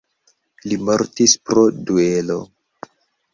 Li mortis pro duelo.